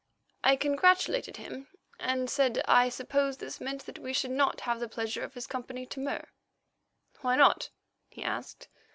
I congratulated him and said I supposed this meant that we should not have the pleasure of his company to Mur. "Why not?" he asked.